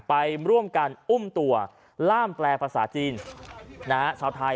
ไปร่วมกันอุ้มตัวล่ามแปลภาษาจีนชาวไทย